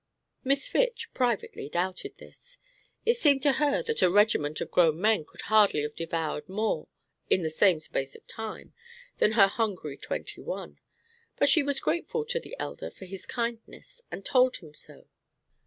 Miss Fitch privately doubted this. It seemed to her that a regiment of grown men could hardly have devoured more in the same space of time than her hungry twenty one; but she was grateful to the elder for his kindness, and told him so.